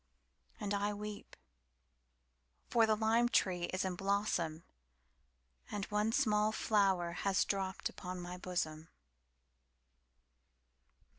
And I weep; For the lime tree is in blossomAnd one small flower has dropped upon my bosom.